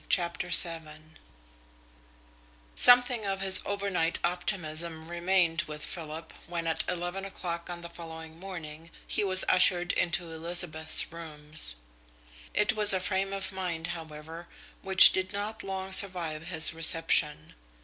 CHAPTER VII Something of his overnight's optimism remained with Philip when at eleven o'clock on the following morning he was ushered into Elizabeth's rooms. It was a frame of mind, however, which did not long survive his reception.